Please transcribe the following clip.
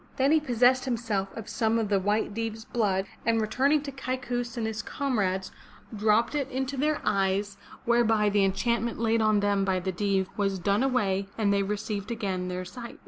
Then he possessed himself of some of the White Deev*s blood, and return ing to Kaikous and his comrades dropped it into their eyes, 447 MY BOOK HOUSE whereby the enchantment laid on them by the Deev was done away and they received again their sight.